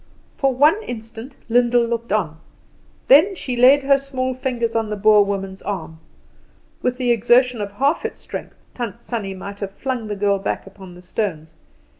For one instant Lyndall looked on, then she laid her small fingers on the Boer woman's arm. With the exertion of half its strength Tant Sannie might have flung the girl back upon the stones.